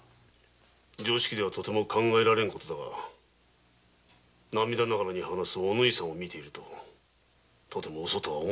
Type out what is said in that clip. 常識ではとても考えられんが涙ながらに話すお縫さんを見ているとウソとは思えん。